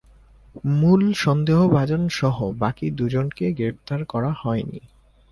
মূল সন্দেহভাজন সহ বাকি দুজনকে গ্রেপ্তার করা হয়নি।